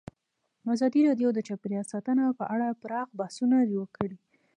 ازادي راډیو د چاپیریال ساتنه په اړه پراخ بحثونه جوړ کړي.